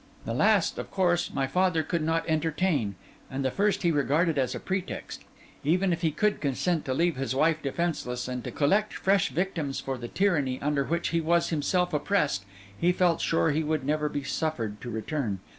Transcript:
The last, of course, my father could not entertain, and the first he regarded as a pretext: even if he could consent to leave his wife defenceless, and to collect fresh victims for the tyranny under which he was himself oppressed, he felt sure he would never be suffered to return.